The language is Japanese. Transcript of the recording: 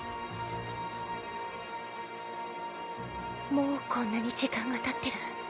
・もうこんなに時間がたってる。